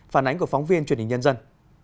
phản ánh của phóng viên truyền hình nhân dân